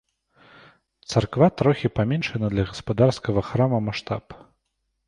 Царква трохі паменшаны для гаспадарскага храма маштаб.